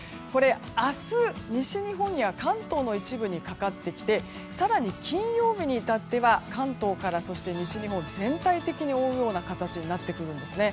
明日、西日本や関東の一部にかかってきて更に金曜日に至っては関東からそして西日本、全体的に覆うような形になってくるんですね。